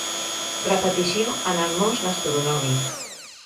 Repetició en el mos gastronòmic.